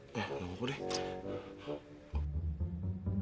nah nama aku deh